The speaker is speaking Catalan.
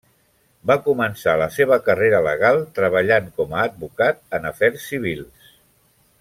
Va començar la seva carrera legal treballant com a advocat en afers civils.